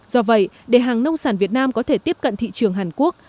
do vậy để hàng nông sản việt nam có thể tiếp cận thị trường hàn quốc